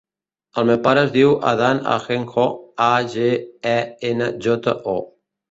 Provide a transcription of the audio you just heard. El meu pare es diu Adán Agenjo: a, ge, e, ena, jota, o.